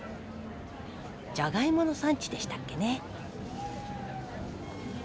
じゃがいもの産地でしたっけね。